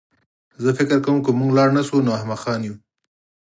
زه فکر کوم که موږ لاړ نه شو نو احمقان یو